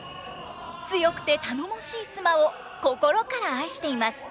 強くて頼もしい妻を心から愛しています。